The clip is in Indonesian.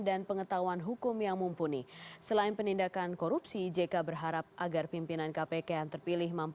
apanya harus kita umum pencegahan juga ya